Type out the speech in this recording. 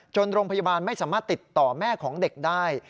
โรงพยาบาลไม่สามารถติดต่อแม่ของเด็กได้